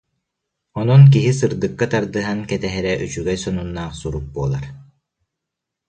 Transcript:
Онон киһи сырдыкка тардыһан кэтэһэрэ үчүгэй сонуннаах сурук буолар